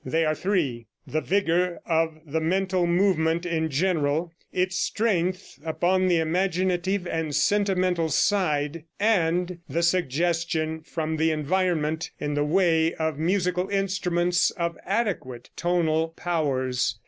They are three: The vigor of the mental movement in general, its strength upon the imaginative and sentimental side, and the suggestion from the environment in the way of musical instruments of adequate tonal powers.